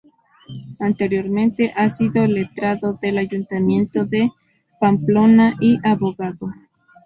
Anteriormente ha sido letrado del Ayuntamiento de Pamplona y abogado.